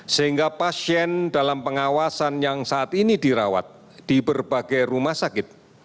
sehingga pasien dalam pengawasan yang saat ini dirawat di berbagai rumah sakit